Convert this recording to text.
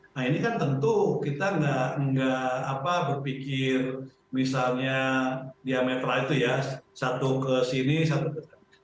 nah ini kan tentu kita nggak berpikir misalnya diametra itu ya satu ke sini satu ke